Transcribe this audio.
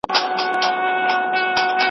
په کتابتون کې د شیکسپیر نوم وموندل سو.